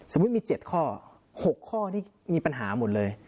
มี๗ข้อ๖ข้อนี่มีปัญหาหมดเลย